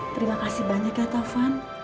terima kasih banyak ya taufan